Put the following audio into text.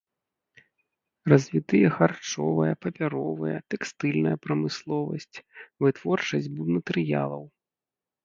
Развітыя харчовая, папяровая, тэкстыльная прамысловасць, вытворчасць будматэрыялаў.